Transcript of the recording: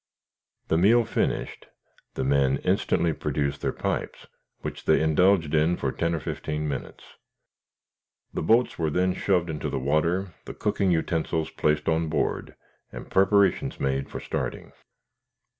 The meal finished, the men instantly produced their pipes, which they indulged in for ten or fifteen minutes. The boats were then shoved into the water, the cooking utensils placed on board, and preparations made for starting.